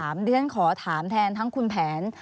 เพราะฉะนั้นขอถามแทนทั้งคุณแผน